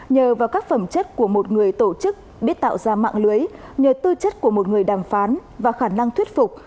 nhờ vào các phẩm chất của một người tổ chức biết tạo ra mạng lưới nhờ tư chất của một người đàm phán và khả năng thuyết phục